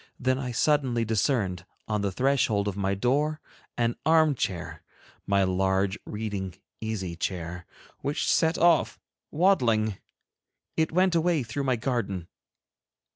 Then I suddenly discerned, on the threshold of my door, an armchair, my large reading easy chair, which set off waddling. It went away through my garden.